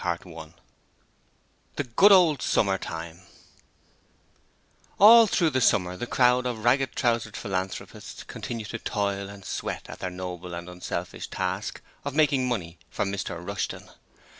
Chapter 43 The Good Old Summer time All through the summer the crowd of ragged trousered philanthropists continued to toil and sweat at their noble and unselfish task of making money for Mr Rushton.